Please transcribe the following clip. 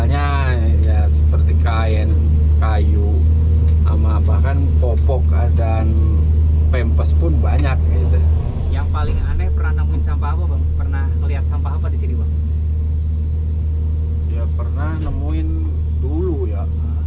ya pernah nemuin dulu ya